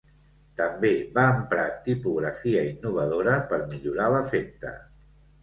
També va emprar tipografia innovadora per millorar l'efecte.